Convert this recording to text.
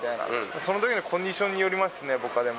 そのときのコンディションによりますね、僕は、でも。